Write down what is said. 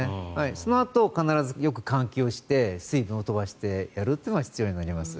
そのあと、必ずよく換気をして水分を飛ばしてやるっていうのが必要になります。